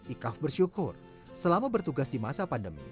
ikaf bersyukur selama bertugas di masa pandemi